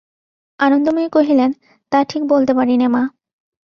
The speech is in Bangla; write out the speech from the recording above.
আনন্দময়ী কহিলেন, তা ঠিক বলতে পারি নে মা!